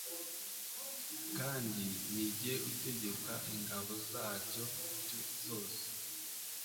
kandi ni jye utegeka ingabo zaryo zose